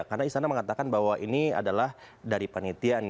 karena di sana mengatakan bahwa ini adalah dari panitia